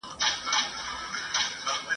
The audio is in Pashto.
نو ګوربت ایله آګاه په دې اسرار سو !.